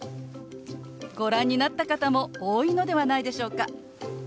ご覧になった方も多いのではないでしょうか。